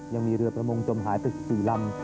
ยังมีเรือประมงจมหายประสิทธิ์สี่ลำ